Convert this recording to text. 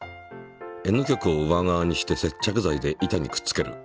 Ｎ極を上側にして接着剤で板にくっつける。